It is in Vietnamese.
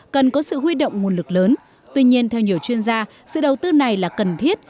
cần có sự huy động nguồn lực lớn tuy nhiên theo nhiều chuyên gia sự đầu tư này là cần thiết